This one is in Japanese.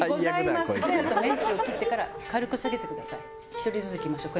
１人ずついきましょう。